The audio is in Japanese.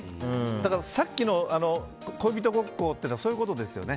さっきの恋人ごっこっていうのはそういうことですよね。